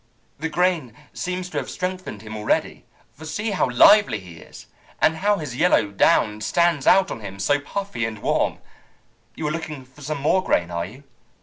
"The grain seems to have strengthened him already, for see how lively he is, and how his yellow down stands out on him, so puffy and warm! You are looking for some more grain, are you?